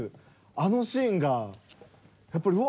あのシーンがやっぱりうわ